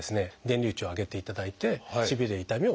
電流値を上げていただいてしびれ痛みを抑える。